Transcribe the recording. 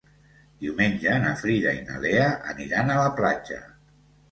Diumenge na Frida i na Lea aniran a la platja.